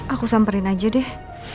aku samperin aja deh